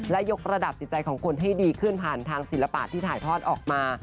และยกระดับจิตใจของคนให้ดีขึ้นผ่านทางศิลปะที่ถ่ายทอดออกมา